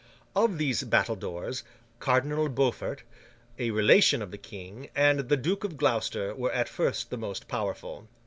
Of these battledores, Cardinal Beaufort, a relation of the King, and the Duke of Gloucester, were at first the most powerful.